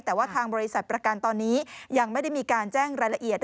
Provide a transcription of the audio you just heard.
แต่ว่าทางบริษัทประกันตอนนี้ยังไม่ได้มีการแจ้งรายละเอียด